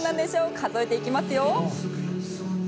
数えていきますよ。